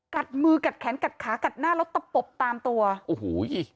กัดมือกัดแขนกัดขากัดหน้าแล้วตะปบตามตัวโอ้โห